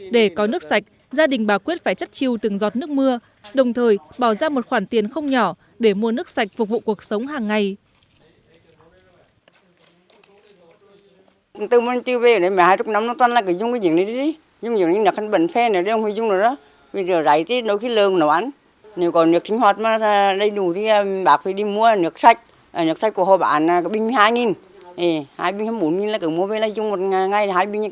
để có nước sạch gia đình bà quyết phải chất chiêu từng giọt nước mưa đồng thời bỏ ra một khoản tiền không nhỏ để mua nước sạch phục vụ cuộc sống hàng ngày